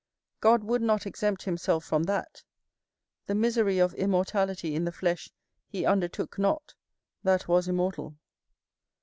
God would not exempt himself from that; the misery of immortality in the flesh he undertook not, that was immortal.